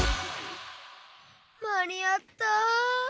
まにあった！